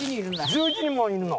１１人もいるの！？